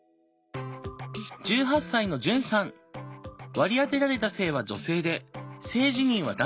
割り当てられた性は「女性」で性自認は「男性」。